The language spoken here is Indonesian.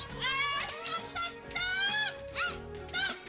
gak ada berapa ang skal duit dalam tuh